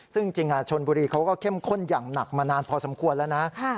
ซึ่งจริงชนบุรีเขาก็เข้มข้นอย่างหนักมานานพอสมควรแล้วนะ